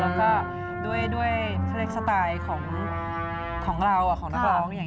แล้วก็ด้วยสไตล์ของเราของนักร้อง